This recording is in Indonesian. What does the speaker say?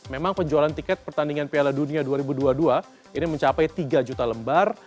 memang penjualan tiket pertandingan piala dunia dua ribu dua puluh dua ini mencapai tiga juta lembar